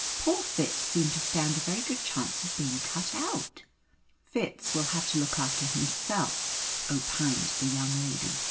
Poor Fitz seems to stand a very good chance of being cut out." "Fitz will have to look after himself," opined the young lady.